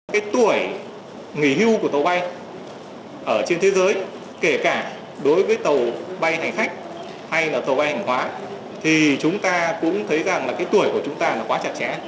cái tuổi nghỉ hưu của tàu bay ở trên thế giới kể cả đối với tàu bay hành khách hay là tàu bay hành hóa thì chúng ta cũng thấy rằng là cái tuổi của chúng ta là quá chặt chẽ